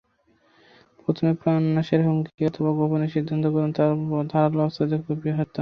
প্রথমে প্রাণনাশের হুমকি অথবা গোপনে সিদ্ধান্ত গ্রহণ, তারপর ধারালো অস্ত্র দিয়ে কুপিয়ে হত্যা।